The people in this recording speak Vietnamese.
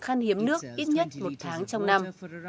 khăn hiếm nước ít nhất một tháng trong năm